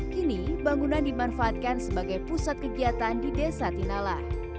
kini bangunan dimanfaatkan sebagai pusat kegiatan di desa tinala